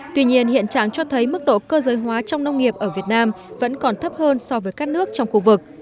tuy nhiên hiện trạng cho thấy mức độ cơ giới hóa trong nông nghiệp ở việt nam vẫn còn thấp hơn so với các nước trong khu vực